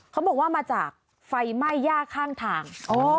เขาบอกว่ามาจากไฟไหม้ย่าข้างทาง